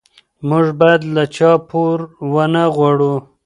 موږ باید له چا پور ونه غواړو.